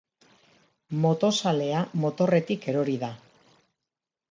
Motozalea motorretik erori da.